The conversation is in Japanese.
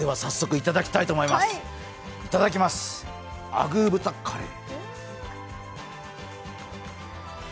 いただきます、アグー豚カレー。